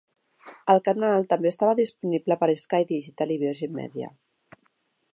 El canal també estava disponible per Sky Digital i Virgin Media.